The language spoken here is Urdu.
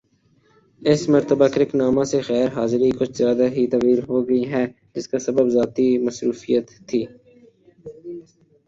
اس مرتبہ کرک نامہ سے غیر حاضری کچھ زیادہ ہی طویل ہوگئی ہے جس کا سبب ذاتی مصروفیت تھی